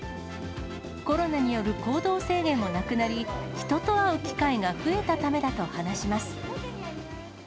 コロナによる行動制限もなくなり、人と会う機会が増えたためだと話します。